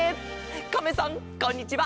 カメさんこんにちは。